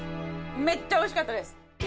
めっちゃおいしかったです。